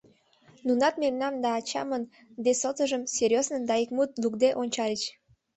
Нунат мемнам да ачамын «Де Сотожым» серьёзнын да ик мут лукде ончальыч.